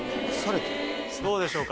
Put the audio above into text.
どうでしょうか？